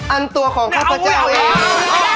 อันตัวของข้าพเจ้าเอง